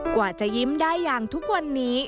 กว่าจะยิ้มได้อย่างทุกวันนี้